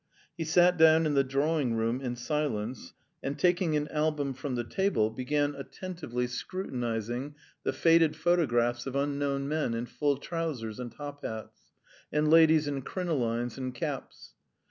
He sat down in the drawing room in silence, and taking an album from the table, began attentively scrutinising the faded photographs of unknown men in full trousers and top hats, and ladies in crinolines and caps.